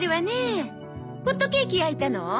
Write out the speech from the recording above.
ホットケーキ焼いたの？